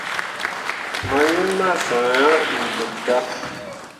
Mawin ma sã ah ɗuudeb dan.